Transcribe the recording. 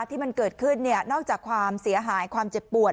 ที่มันเกิดขึ้นนอกจากความเสียหายความเจ็บปวด